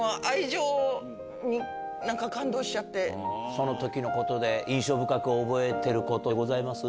その時のことで印象深く覚えてることございます？